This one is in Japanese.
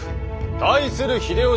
対する秀吉